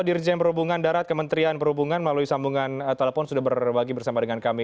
dirjen perhubungan darat kementerian perhubungan melalui sambungan telepon sudah berbagi bersama dengan kami